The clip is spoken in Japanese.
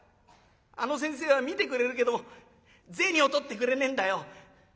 あの先生は診てくれるけども銭を取ってくれねえんだよ。